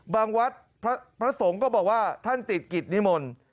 วัดพระสงฆ์ก็บอกว่าท่านติดกิจนิมนต์